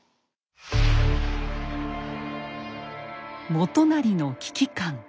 元就の危機感。